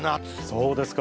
そうですか。